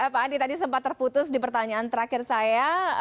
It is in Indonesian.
pak andi tadi sempat terputus di pertanyaan terakhir saya